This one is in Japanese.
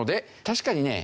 確かにね